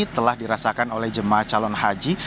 telah dirasakan oleh jemaah calon haji